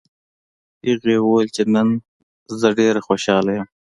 هغې وویل چې نن زه ډېره خوشحاله یم